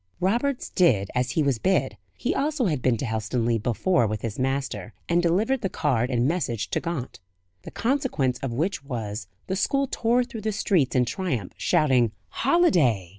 Roberts did as he was bid he also had been to Helstonleigh before with his master and delivered the card and message to Gaunt. The consequence of which was, the school tore through the streets in triumph, shouting "Holiday!"